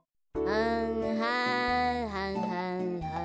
はんはんはんはんはん。